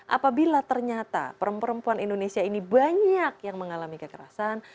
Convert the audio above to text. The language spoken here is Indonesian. apabila ternyata perempuan indonesia ini banyak yang mengalami kesehatan